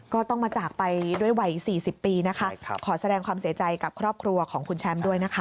ก็ต้องมาจากไปด้วยวัย๔๐ปีนะคะขอแสดงความเสียใจกับครอบครัวของคุณแชมป์ด้วยนะคะ